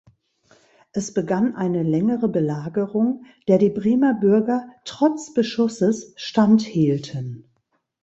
Es begann eine längere Belagerung, der die Bremer Bürger trotz Beschusses standhielten.